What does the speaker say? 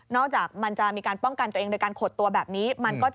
จากมันจะมีการป้องกันตัวเองโดยการขดตัวแบบนี้